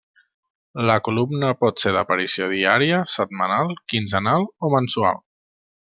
La columna pot ser d'aparició diària, setmanal, quinzenal o mensual.